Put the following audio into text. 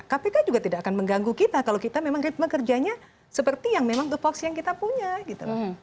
kpk juga tidak akan mengganggu kita kalau kita memang ritme kerjanya seperti yang memang topoksi yang kita punya gitu loh